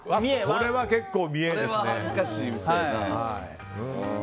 それは結構な見栄ですね。